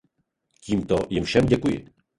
Tímto jim všem děkuji.